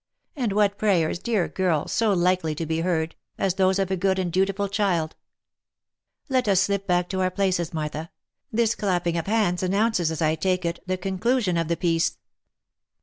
And what prayers, dear girl, so likely to be heard, as those of a good and dutiful child? Let us slip back to our places, Martha. This clapping of hands announces, as I take it, the conclusion of the piece."